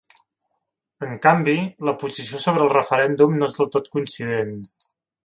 En canvi, la posició sobre el referèndum no és del tot coincident.